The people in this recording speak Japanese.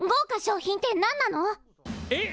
えっ？